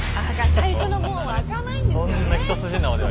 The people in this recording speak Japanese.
最初の門は開かないんですよね。